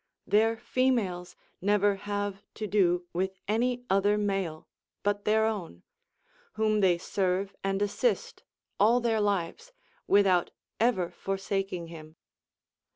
Their females never have to do with any other male but their own, whom they serve and assist all their lives, without ever forsaking him.